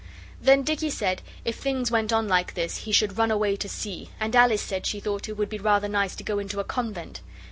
Then Dicky said if things went on like this he should run away to sea, and Alice said she thought it would be rather nice to go into a convent.